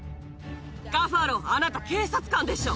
カファロ、あなた、警察官でしょ。